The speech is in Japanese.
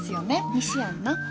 西やんな？